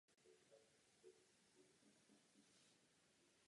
Úpravy a vylepšení jsou i technického rázu.